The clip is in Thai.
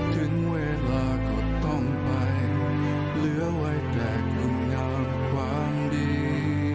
ถึงเวลาก็ต้องไปเหลือไว้แต่คุณงามความดี